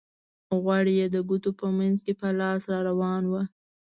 غوړ یې د ګوتو په منځ کې په لاس را روان وو.